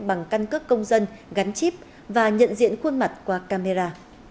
bằng căn cước công dân gắn chip và nhận diện khuôn mặt qua camera